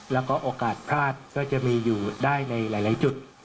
แล้วก็โอกาสพลาดก็จะมีอยู่ได้ในหลายจุด